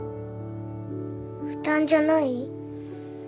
負担じゃない？